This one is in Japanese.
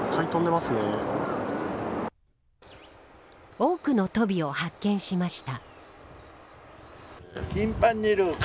多くのトビを発見しました。